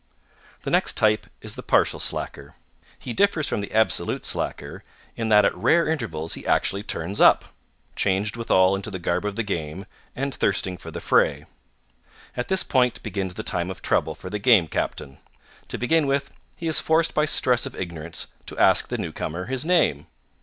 The next type is the partial slacker. He differs from the absolute slacker in that at rare intervals he actually turns up, changed withal into the garb of the game, and thirsting for the fray. At this point begins the time of trouble for the Game Captain. To begin with, he is forced by stress of ignorance to ask the newcomer his name.